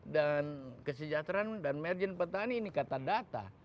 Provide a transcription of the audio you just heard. dan kesejahteraan dan margin petani ini kata data